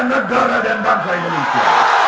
negara dan bangsa indonesia